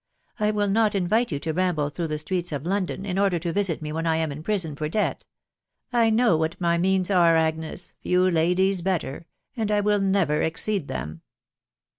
I will not invite you to ramble through the streets of London, in order to visit me when I am in prison for debt. I know what my memos are, Agnes — few ladies better — and I will never exceed them."